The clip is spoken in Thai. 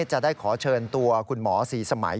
จะได้ขอเชิญตัวคุณหมอศรีสมัย